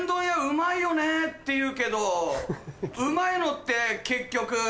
うまいよねって言うけどうまいのって結局。